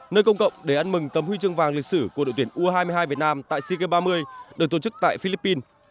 nơi công cộng để ăn mừng tấm huy chương vàng lịch sử của đội tuyển u hai mươi hai việt nam tại sea games ba mươi được tổ chức tại philippines